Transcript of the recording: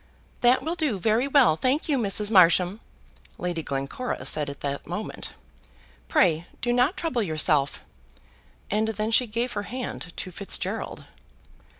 "That will do very well thank you, Mrs. Marsham," Lady Glencora said at this moment. "Pray, do not trouble yourself," and then she gave her hand to Fitzgerald.